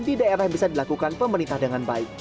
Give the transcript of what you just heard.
di daerah yang bisa dilakukan pemerintah dengan baik